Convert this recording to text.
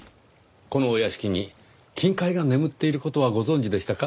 このお屋敷に金塊が眠っている事はご存じでしたか？